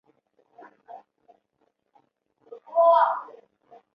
兰舒凯马杜是巴西圣卡塔琳娜州的一个市镇。